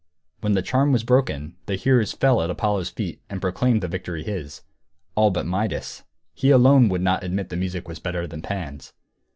When the charm was broken, the hearers fell at Apollo's feet and proclaimed the victory his. All but Midas. He alone would not admit that the music was better than Pan's.